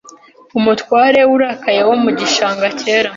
Umutware urakaye wo mu gishanga cyera